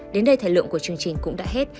đến đây thời lượng của chương trình cũng đã hết